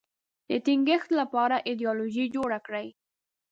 د ټینګښت لپاره ایدیالوژي جوړه کړي